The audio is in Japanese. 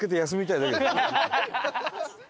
ハハハハ！